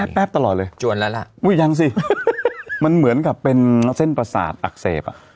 แป๊บตลอดเลยจวนแล้วล่ะอุ้ยยังสิมันเหมือนกับเป็นเส้นประสาทอักเสบอ่ะ